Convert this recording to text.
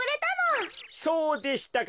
そうでしたか。